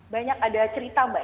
banyak ada cerita mbak